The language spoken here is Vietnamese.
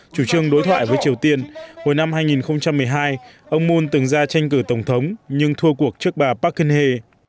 chủ trương đối thoại với triều tiên hồi năm hai nghìn một mươi hai ông moon từng ra tranh cử tổng thống nhưng thua cuộc trước bà parkenhe